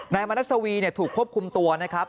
มณัสวีถูกควบคุมตัวนะครับ